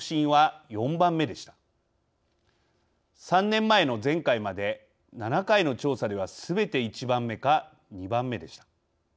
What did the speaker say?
３年前の前回まで７回の調査ではすべて１番目か２番目でした。